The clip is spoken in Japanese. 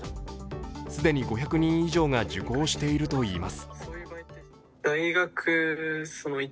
既に５００人以上が受講しているといいます。